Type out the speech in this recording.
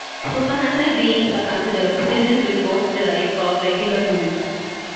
Supernatural beings are considered citizens with most of the rights of regular humans.